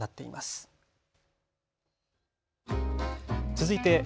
続いて＃